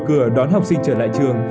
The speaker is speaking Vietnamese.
mở cửa đón học sinh trở lại trường